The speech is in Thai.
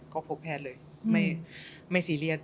ก็พบแพทย์เลยไม่ซีเรียส